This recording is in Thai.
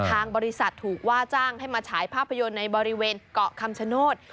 ทางบริษัทถูกว่าจ้างให้มาฉายภาพยนตร์ในบริเวณเกาะคำชโนธ